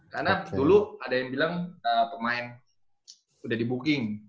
karena dulu ada yang bilang pemain udah di booking